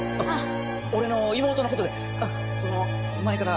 俺の妹のことでその前から。